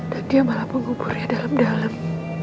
dan dia malah menguburnya dalam dalam